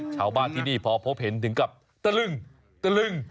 ชาวบ้านที่นี่พอพบเห็นถึงกับตะลึงตะลึง